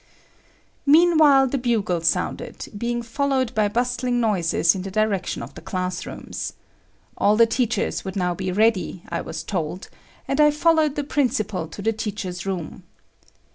Meanwhile the bugle sounded, being followed by bustling noises in the direction of the class rooms. All the teachers would be now ready, I was told, and I followed the principal to the teachers' room.